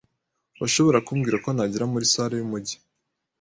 Urashobora kumbwira uko nagera muri salle yumujyi?